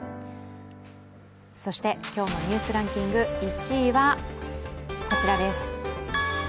そして今日の「ニュースランキング」１位はこちらです。